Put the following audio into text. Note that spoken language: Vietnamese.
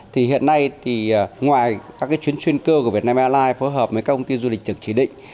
thì hiện nay thì ngoài các chuyến chuyên cơ của việt nam airlines phối hợp với các công ty du lịch trực chỉ định